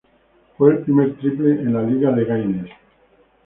Fue el primer triple en la liga de Gaines.